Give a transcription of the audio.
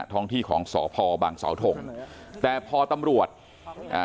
ท้องที่ของสพบังเสาทงแต่พอตำรวจอ่า